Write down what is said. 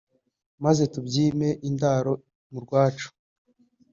Maze tubyime indaro mu rwacu